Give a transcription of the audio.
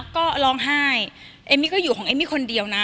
ก็ร้องไห้เอมมี่ก็อยู่ของเอมมี่คนเดียวนะ